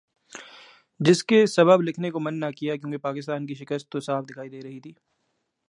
جس کے سبب لکھنے کو من نہ کیا کیونکہ پاکستان کی شکست تو صاف دکھائی دے رہی تھی ۔